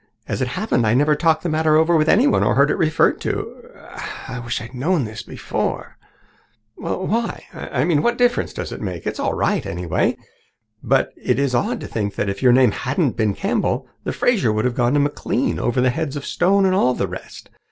As it happened, I never talked the matter over with anyone or heard it referred to. I I wish I had known this before." "Why, what difference does it make? It's all right, anyway. But it is odd to think that if your name hadn't been Campbell, the Fraser would have gone to McLean over the heads of Stone and all the rest.